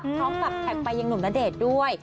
พร้อมกับแขกไปยังหนุ่มณเดชน์ด้วย